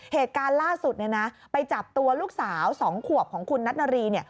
เหตุการณ์ล่าสุดไปจับตัวลูกสาว๒ขวบของคุณนัทนารี